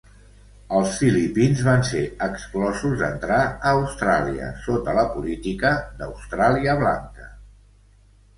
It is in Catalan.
Els filipins van ser exclosos d'entrar a Austràlia sota la política d'Austràlia Blanca.